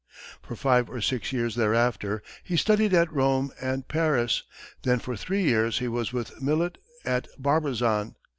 For five or six years thereafter, he studied at Rome and Paris, then for three years he was with Millet at Barbizon.